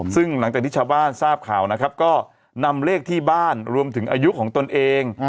ซึ่งหลังจากที่ชาวบ้านทราบข่าวนะครับก็นำเลขที่บ้านรวมถึงอายุของตนเอง